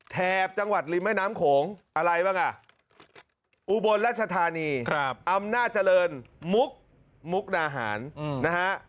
แถบจังหวัดริมแม่น้ำโขงอะไรบ้างอ่ะอุบลรัชธานีอำนาจเจริญมุกมุกนาหารนะฮะ